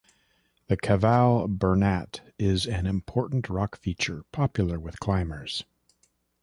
The Cavall Bernat is an important rock feature popular with climbers.